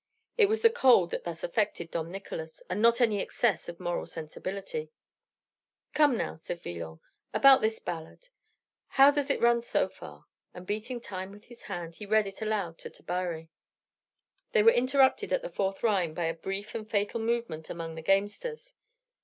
It was the cold that thus affected Dom Nicolas, and not any excess of moral sensibility. "Come now," said Villon "about this ballade. How does it run so far?" And beating time with his hand, he read it aloud to Tabary. They were interrupted at the fourth rhyme by a brief and fatal movement among the gamesters.